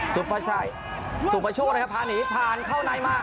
ซุปเปอร์ชายซุปเปอร์โชว์เลยครับพาหนีผ่านเข้าในมา